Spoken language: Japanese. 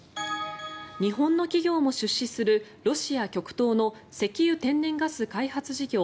日本の企業も出資するロシア極東の石油・天然ガス開発事業